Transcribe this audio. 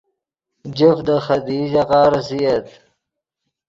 جفت دے خدیئی ژاغہ ریسییت